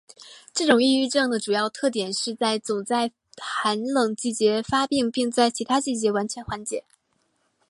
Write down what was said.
这种抑郁症的主要特点就是总是在寒冷季节发病并在其他季节完全缓解。